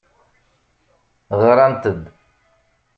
Ɣrant-d.